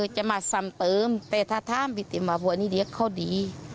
จะมาสำเติมแต่ถ้าท่ามป้าติ๋มว่าพวกนี้เขาดี